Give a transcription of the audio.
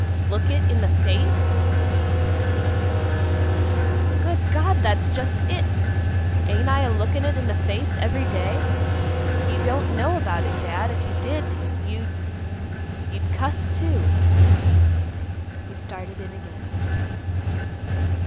"Look it in the face!" roared the other. "Good God! that's just it! ain't I a lookin' it in the face every day? You don't know about it, Dad. If you did, you—you'd cuss too." He started in again.